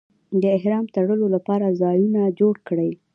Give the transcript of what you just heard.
د احرام تړلو لپاره ځایونه جوړ کړي.